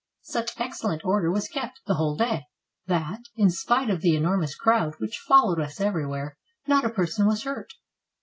Such excellent order was kept the whole day that, in spite of the enormous crowd which followed us everywhere, not a person was hurt.